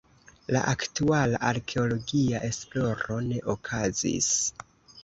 La aktuala arkeologia esploro ne okazis.